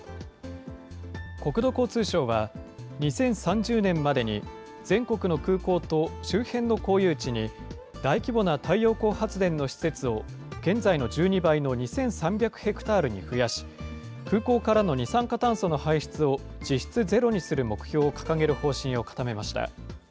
国土交通省は、２０３０年までに全国の空港と周辺の公有地に、大規模な太陽光発電の施設を現在の１２倍の２３００ヘクタールに増やし、空港からの二酸化炭素の排出を実質ゼロにする目標を掲げる方針を固めました。